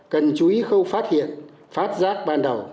cần chú ý không phát hiện phát giác ban đầu